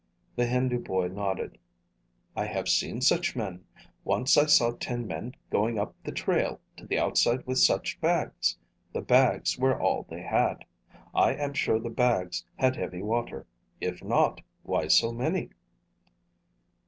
The Hindu boy nodded. "I have seen such men. Once I saw ten men going up the trail to the outside with such bags. The bags were all they had. I am sure the bags had heavy water. If not, why so many?"